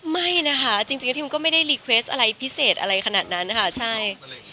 ไม่นะคะจริงทิวก็ไม่ได้รีเวสอะไรพิเศษอะไรขนาดนั้นนะคะใช่